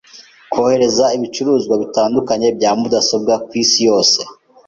Kohereza ibicuruzwa bitandukanye bya mudasobwa kwisi yose.